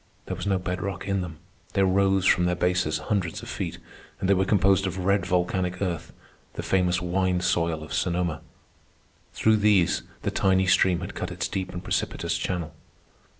There was no bed rock in them. They rose from their bases hundreds of feet, and they were composed of red volcanic earth, the famous wine soil of Sonoma. Through these the tiny stream had cut its deep and precipitous channel.